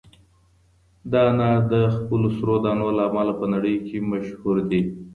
دا انار د خپلو سرو دانو له امله په نړۍ کې مشهور دي.